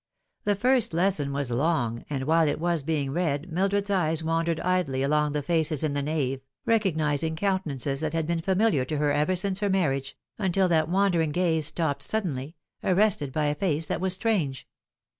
The first lesson was long, and while it was being read Mildred's eyes wandered idly a\OLg the faces in the nave, recognising countenances that had been familiar to her ever since her marriage, until that wandering gaze stopped suddenly, arrested by a face that was strange.